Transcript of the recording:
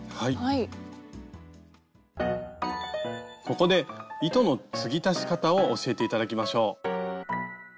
ここで糸の継ぎ足し方を教えて頂きましょう。